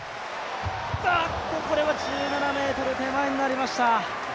これは１７ｍ手前になりました。